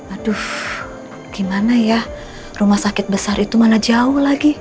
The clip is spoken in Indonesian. aduh gimana ya rumah sakit besar itu mana jauh lagi